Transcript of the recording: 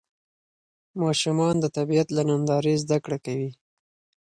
ماشومان د طبیعت له نندارې زده کړه کوي